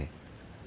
selama dua jam